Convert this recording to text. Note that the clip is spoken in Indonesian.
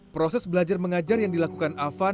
proses belajar mengajar yang dilakukan afan